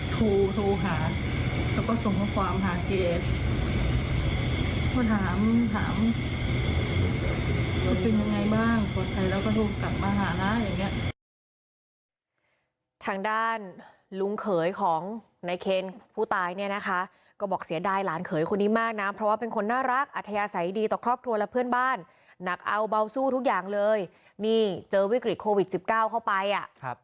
ทางด้านลุงเขยของนายเคนผู้ตายเนี่ยนะคะก็บอกเสียดายหลานเขยคนนี้มากนะเพราะว่าเป็นคนน่ารักอัธยาศัยดีต่อครอบครัวและเพื่อนบ้านหนักเอาเบาสู้ทุกอย่างเลยนี่เจอวิกฤตโควิด๑๙เข้าไปอ่ะครับ